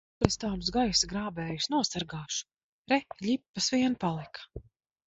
Kur es tādus gaisa grābējus nosargāšu! Re, ļipas vien palika!